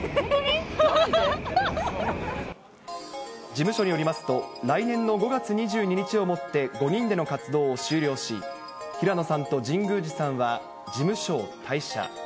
事務所によりますと、来年の５月２２日をもって５人での活動を終了し、平野さんと神宮寺さんは事務所を退所。